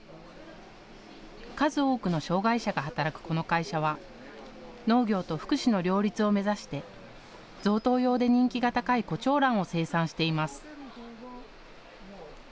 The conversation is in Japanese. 数多くの障害者が働くこの会社は農業と福祉の両立を目指して贈答用で人気が高いコチョウランを生産しています。